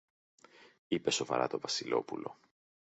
είπε σοβαρά το Βασιλόπουλο.